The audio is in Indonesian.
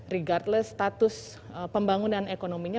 regardless status pembangunan ekonominya